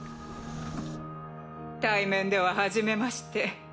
対面でははじめまして。